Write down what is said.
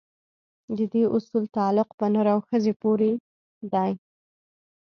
د دې اصول تعلق په نر او ښځې پورې دی.